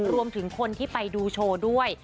รวมถึงคนที่ไปดูโชว์ด้วย